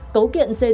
cấu kiện xây dựng